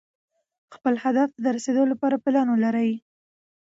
خپل هدف ته د رسېدو لپاره پلان ولرئ.